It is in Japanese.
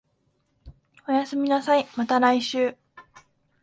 おやすみなさい、また来週